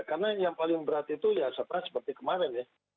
karena yang paling berat itu seperti kemarin ya